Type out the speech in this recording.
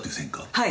はい。